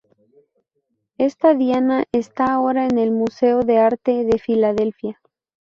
Esta Diana está ahora en el Museo de Arte de Filadelfia.